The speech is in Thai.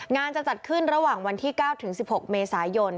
จะจัดขึ้นระหว่างวันที่๙ถึง๑๖เมษายน